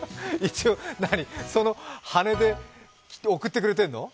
その羽で送ってくれてるの？